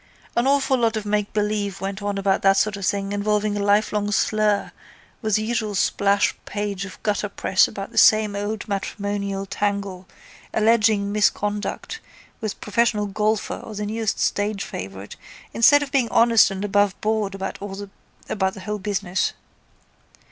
An awful lot of makebelieve went on about that sort of thing involving a lifelong slur with the usual splash page of gutterpress about the same old matrimonial tangle alleging misconduct with professional golfer or the newest stage favourite instead of being honest and aboveboard about the whole business.